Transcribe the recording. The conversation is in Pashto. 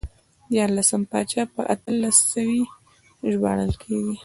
دیارلسم پاچا په اتلس سوی ژباړل کېږي.